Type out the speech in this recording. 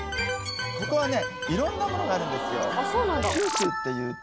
ここはねいろんなものがあるんですよ